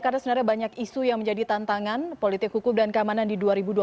karena sebenarnya banyak isu yang menjadi tantangan politik hukum dan keamanan di dua ribu dua puluh satu